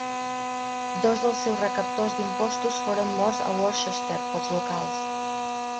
Dos dels seus recaptadors d'impostos foren morts a Worcester pels locals.